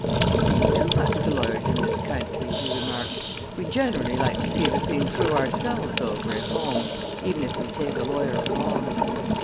"You leave too much to lawyers in this country," he remarked. "We generally like to see the thing through ourselves over at home, even if we take a lawyer along.